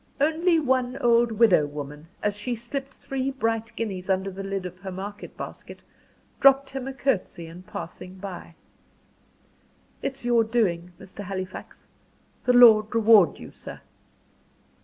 Only one old widow woman, as she slipped three bright guineas under the lid of her market basket, dropped him a curtsey in passing by. "It's your doing, Mr. Halifax. The Lord reward you, sir."